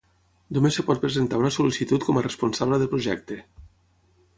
Només es pot presentar una sol·licitud com a responsable de projecte.